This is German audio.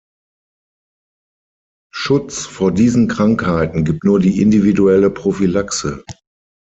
Schutz vor diesen Krankheiten gibt nur die individuelle Prophylaxe.